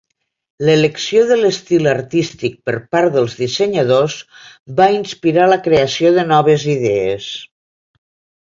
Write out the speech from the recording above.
L'elecció de l'estil artístic per part dels dissenyadors va inspirar la creació de noves idees.